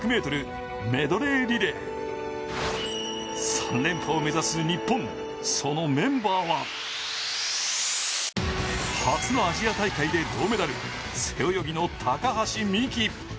３連覇を目指す日本、そのメンバーは初のアジア大会で銅メダル、背泳ぎの高橋美紀。